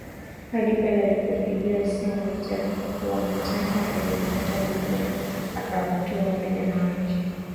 Hadi pale alipopigiwa simu na Jacob kuwa anataka helikopta ndipo akawatuma vijana wake